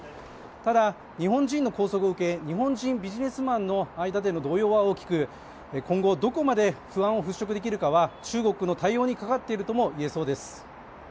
ただ日本人の拘束を受け日本人ビジネスマンの間での動揺は大きく、今後どこまで不安を払拭できるかは中国の対応にかかっているとも言えそうです。